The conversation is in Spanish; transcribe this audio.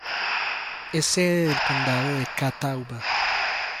Es sede del condado de Catawba.